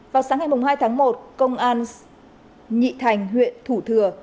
vào sáng ngày hai tháng một công an nhị thành huyện thủ thừa